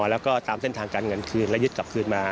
แล้วก็ตามเส้นทางการเงินคืนแล้วยึดกลับคืนมา